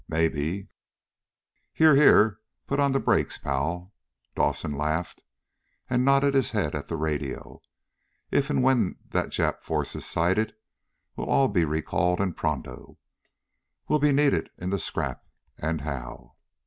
Maybe " "Here, here, put on the brakes, pal!" Dawson laughed, and nodded his head at the radio. "If and when that Jap force is sighted we'll all be recalled and pronto. We'll be needed in the scrap, and how!"